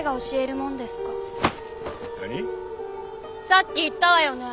さっき言ったわよね？